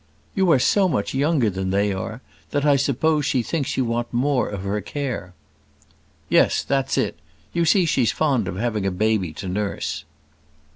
"You are so much younger than they are, that I suppose she thinks you want more of her care." "Yes; that's it. You see she's fond of having a baby to nurse."